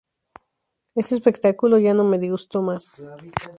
Este espectáculo ya no me disgustó más.